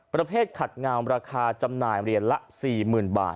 ประเภทขัดงามราคาจำหน่ายเหรียญละ๔๐๐๐บาท